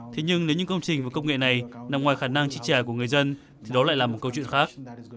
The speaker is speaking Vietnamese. thế nhưng nếu những công trình và công nghệ này nằm ngoài khả năng trích trẻ của người dân thì đó lại là một câu chuyện khác